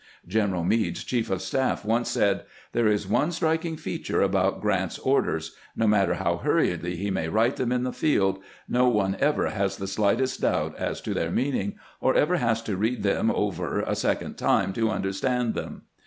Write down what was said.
Greneral Meade's chief GRANT AS A WEITER 241 of staff once said: "There is one striking feature about Grant's orders : no matter how hurriedly he may write them on the field, no one ever has the slightest doubt as to their meaning, or ever has to read them over a second time to understand them."